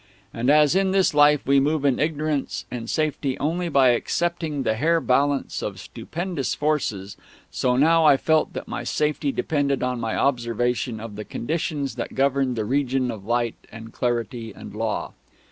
And, as in this life we move in ignorance and safety only by accepting the hair balance of stupendous forces, so now I felt that my safety depended on my observation of the conditions that governed that region of light and clarity and Law.